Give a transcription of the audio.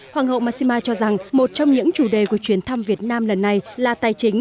hoàng hậu mashima cho rằng một trong những chủ đề của chuyến thăm việt nam lần này là tài chính